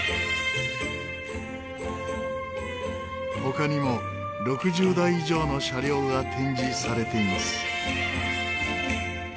他にも６０台以上の車両が展示されています。